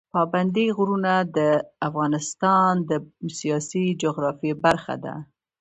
پابندی غرونه د افغانستان د سیاسي جغرافیه برخه ده.